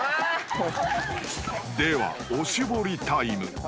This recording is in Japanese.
［ではおしぼりタイム］